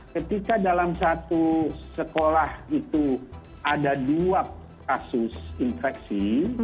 ketika dalam satu sekolah itu ada dua kasus infeksi